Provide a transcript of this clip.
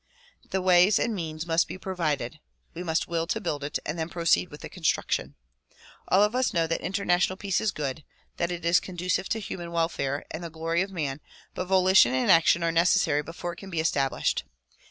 The ways and means must be provided ; we must will to build it and then proceed with the construction. All of us know that international peace is good, that it is conducive to human wel fare and the glory of man but volition and action are necessary before it can be established.